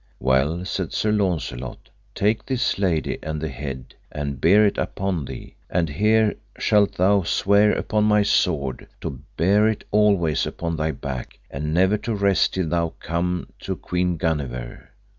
Well, said Sir Launcelot, take this lady and the head, and bear it upon thee, and here shalt thou swear upon my sword, to bear it always upon thy back, and never to rest till thou come to Queen Guenever.